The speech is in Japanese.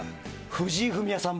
藤井フミヤさん